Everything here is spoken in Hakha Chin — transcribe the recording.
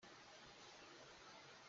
Mandalay ka phan bal ruam ram lo.